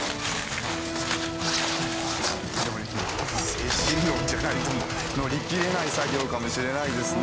精神論じゃないと乗りきれない作業かもしれないですね。